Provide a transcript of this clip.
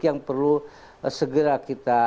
yang perlu segera kita